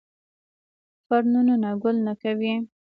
فرنونه ګل نه کوي